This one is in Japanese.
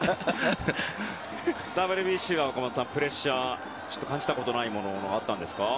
ＷＢＣは岡本さん、プレッシャー感じたことないものがあったんですか？